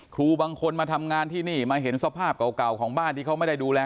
ครูบางคนมาทำงานที่นี่มาเห็นสภาพเก่าของบ้านที่เขาไม่ได้ดูแล